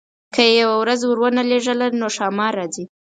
که یې یوه ورځ ورونه لېږله نو ښامار راځي.